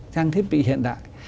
trang thiết bị hiện đại